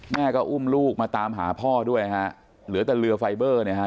แม่ก็อุ้มลูกมาตามหาพ่อด้วยฮะเหลือแต่เรือไฟเบอร์เนี่ยฮะ